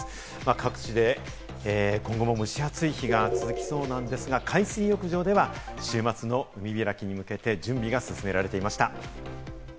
各地で今後も蒸し暑い日が続きそうなんですが、海水浴場では週末の海開きに向けて準備が進められていました。